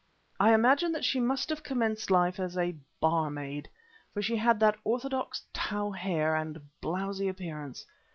I imagine that she must have commenced life as a barmaid, for she had the orthodox tow hair and blowsy appearance.